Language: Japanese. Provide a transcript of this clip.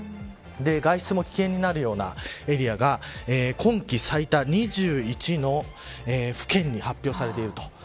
外出も危険になるようなエリアが今季最多、２１の府県に発表されていると。